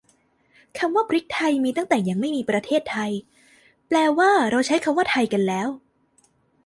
คำว่าพริกไทยมีมาตั้งแต่ยังไม่มีประเทศไทย แปลว่าเราใช้คำว่าไทยกันแล้ว